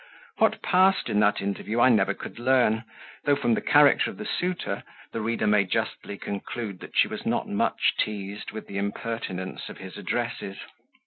What passed in that interview I never could learn, though from the character of the suitor, the reader may justly conclude that she was not much teased with the impertinence of his addresses.